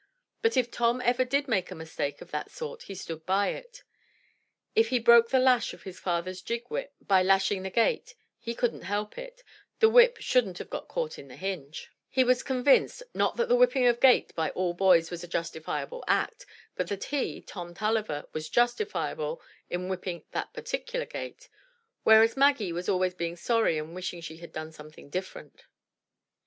But if Tom ever did make a mistake of that sort he stood by it. If he broke the lash of his father's gig whip by lashing the gate, he couldn't help it, — the whip shouldn't have got caught in the hinge. He 224 THE TREASURE CHEST was convinced, not that the whipping of gates by all boys was a justifiable act, but that he, Tom Tulliver, was justifiable in whipping that particular gate, whereas Maggie was always being sorry and wishing she had done something different.